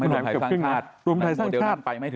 มันก็เลยทำให้รวมไทยสร้างชาติ